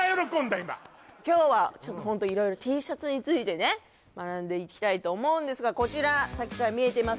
今今日はちょっとホント色々Ｔシャツについてね学んでいきたいと思うんですがこちらさっきから見えています